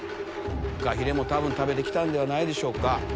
フカヒレも多分食べてきたんではないでしょうか。